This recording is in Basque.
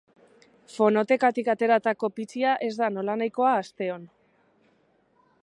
Fonotekatik ateratako pitxia ez da nolanahikoa asteon.